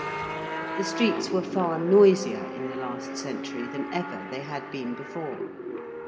The streets were far noisier in the last century than ever they had been before.